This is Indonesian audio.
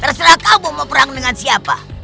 terserah kamu mau perang dengan siapa